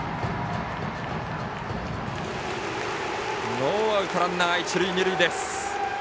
ノーアウトランナー、一塁二塁。